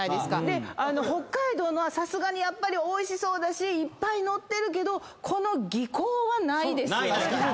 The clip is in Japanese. で北海道のはさすがにおいしそうだしいっぱい載ってるけどこの技巧はないですよね。